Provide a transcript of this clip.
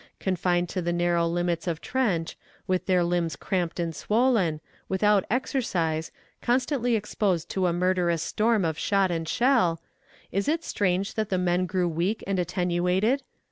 Confined to the narrow limits of trench, with their limbs cramped and swollen, without exercise, constantly exposed to a murderous storm of shot and shell. ... Is it strange that the men grew weak and attenuated?